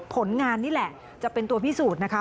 ผลงานนี่แหละจะเป็นตัวพิสูจน์นะคะ